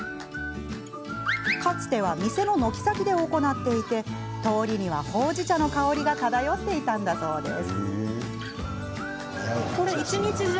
かつては、店の軒先で行っていて通りには、ほうじ茶の香りが漂っていたそうです。